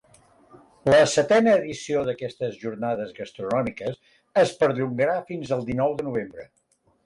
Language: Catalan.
La setena edició d’aquestes jornades gastronòmiques es perllongarà fins al dinou de novembre.